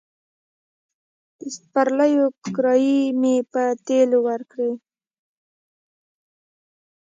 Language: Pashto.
د سپرليو کرايې مې په تيلو ورکړې.